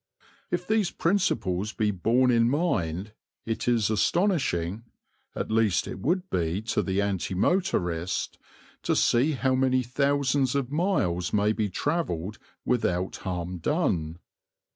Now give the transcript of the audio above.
If these principles be borne in mind it is astonishing, at least it would be to the anti motorist, to see how many thousands of miles may be travelled without harm done.